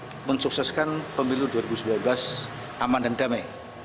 hai mensukseskan pemilu dua ribu sembilan belas aman dan damai